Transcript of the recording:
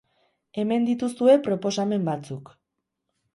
Hemen dituzue proposamen batzuk.